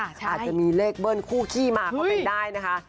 อาจจะมีเลขเบิ้ลคู่ขี้มาก็เป็นได้นะคะ